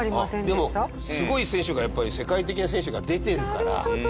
でもすごい選手がやっぱり世界的な選手が出てるから。